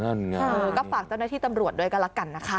งั้นงั้นเออก็ฝากเจ้าหน้าที่ตำรวจด้วยกันละกันนะคะ